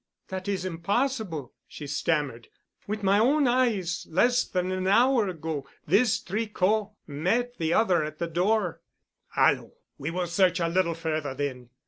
"That is impossible——" she stammered. "With my own eyes, less than an hour ago, this Tricot met the other at the door." "Allons! We will search a little further, then."